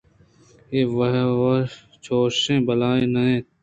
اے وَ چُشیں بلاہے نہ اِنت